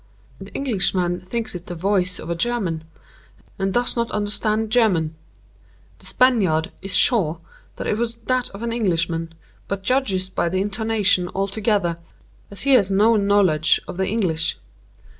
_' The Englishman thinks it the voice of a German, and 'does not understand German.' The Spaniard 'is sure' that it was that of an Englishman, but 'judges by the intonation' altogether, '_as he has no knowledge of the English.